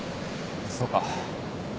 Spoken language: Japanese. そうか。